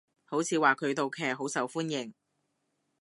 好似話佢套劇好受歡迎？